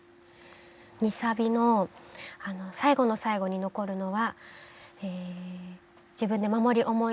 ２サビの「最後の最後に残るのは自分で守り貫いた」